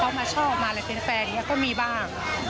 เขามาชอบมาอะไรแฟนเนี่ยก็มีบ้าง